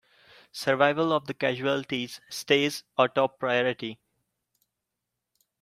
Survival of the casualties stays our top priority!